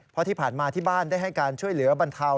เพราะที่ผ่านมาที่บ้านได้ให้การช่วยเหลือบรรเทา